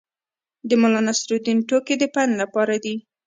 د ملانصرالدین ټوکې د پند لپاره دي.